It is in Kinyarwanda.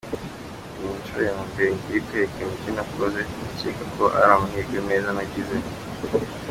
Ni inshuro ya mbere ngiye kwerekana ibyo nakoze, ndakeka ko ari amahirwe meza ngize.